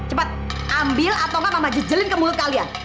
cepet ambil atau mama jejelin ke mulut kalian